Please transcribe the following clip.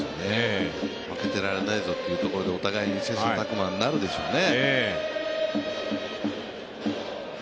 負けてられないぞというところでお互いに切磋琢磨になるでしょうね。